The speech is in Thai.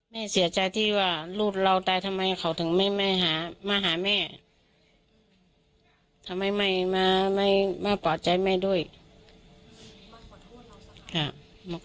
แม่เสียใจที่ว่าลูกเราวผมตายทำไมขอถึงมาหาแม่ทำไมไม่มาปลอดใจแม่ด้วย